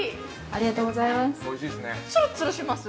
◆ありがとうございます。